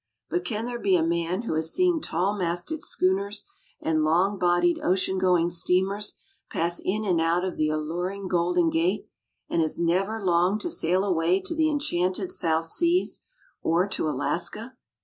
But can there be a man who has seen tall masted schooners and long bodied ocean going steamers pass in and out of the alluring Golden Gate, and has never longed to sail away to the enchanted South Seas, or to Alaska.